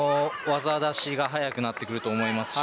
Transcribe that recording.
技だしが早くなってくると思いますし